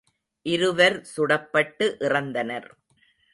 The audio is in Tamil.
இருவர் சுடப்பட்டு இறந்தனர்.